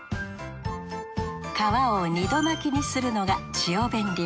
皮を２度巻きにするのがチオベン流。